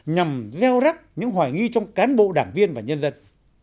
nhằm gieo rắc những hoài nghi trong cán bộ đảng viên và nhân dân